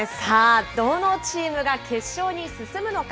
どのチームが決勝に進むのか。